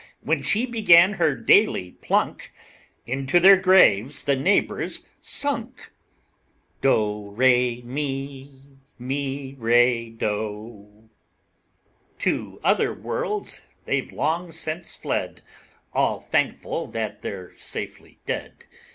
When she began her daily plunk, Into their graves the neighbors sunk. Do, re, mi, Mi, re, do. To other worlds they've long since fled, All thankful that they're safely dead.